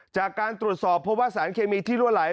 จากการตรวจสอบเพราะว่าสารเคมีที่รั่วไหล